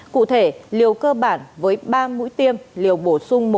cụ thể liều cơ bản với ba mũi tiêm liều bổ sung